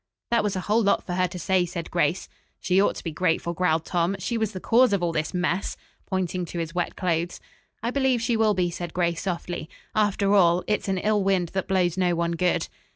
"That was a whole lot for her to say," said Grace. "She ought to be grateful," growled Tom. "She was the cause of all this mess," pointing to his wet clothes. "I believe she will be," said Grace softly, "After all, 'It's an ill wind that blows no one good.'"